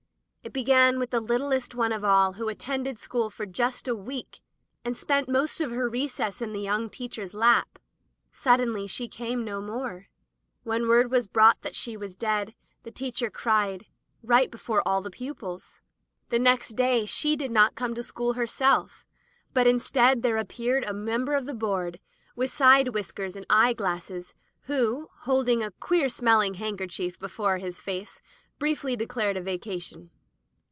It began with the littlest one of all who at tended school for just a week, and spent most of her recesses in the young teacher's lap. Suddenly she came no more. When word was [ 390 ] Digitized by LjOOQ IC At Ephesus brought that she was dead, tjie teacher cried, right before all the pupils. The next day she did not come to school herself, but instead there appeared a member of the board, with side whiskers and eye glasses, who, holding a queer smelling handkerchief before his face, briefly declared a vacation.